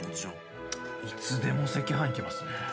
いつでも赤飯いけますね。